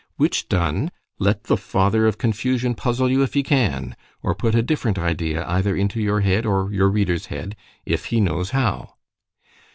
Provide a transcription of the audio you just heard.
—which done—let the father of confusion puzzle you, if he can; or put a different idea either into your head, or your reader's head, if he knows how.